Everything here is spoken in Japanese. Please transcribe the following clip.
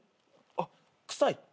あっ臭い？